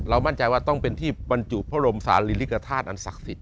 มั่นใจว่าต้องเป็นที่บรรจุพระบรมศาลิริกฐาตุอันศักดิ์สิทธิ